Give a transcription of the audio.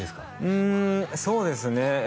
うんそうですね